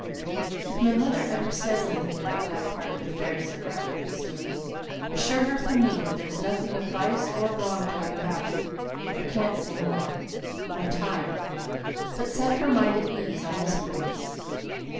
"If my mother ever says anything about that part of the affair," said Roger, hastily, "assure her from me that there's nothing of vice or wrong doing about it. I can't say more: I'm tied. But set her mind at ease on that point."